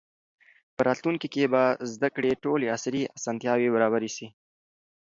په راتلونکي کې به د زده کړې ټولې عصري اسانتیاوې برابرې سي.